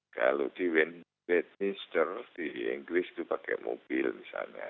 kalau di westminster di inggris itu pakai mobil misalnya